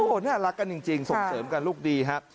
โอ้โหน่ารักกันจริงส่งเสริมกับลูกดีครับ